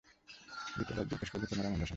বিপ্রদাস জিজ্ঞাসা করলে, তোমার এমন দশা কেন?